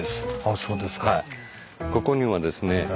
あそうですか。